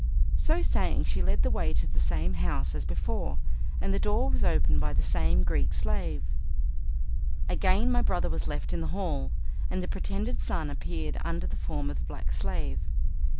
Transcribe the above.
So saying she led the way to the same house as before, and the door was opened by the same Greek slave. Again my brother was left in the hall, and the pretended son appeared under the form of the black slave.